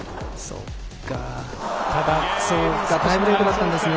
タイブレークだったんですね。